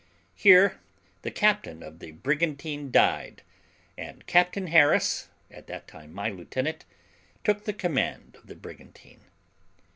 Here the captain of the brigantine died, and Captain Harris, at that time my lieutenant, took the command of the brigantine.